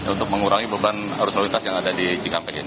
untuk mengurangi beban arus lalu lintas yang ada di cikampek ini